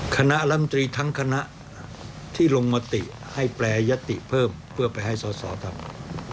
คณะรัฐมนตรีทั้งคณะที่ลงมติให้แปรยติเพิ่มเพื่อไปให้สอสอทำ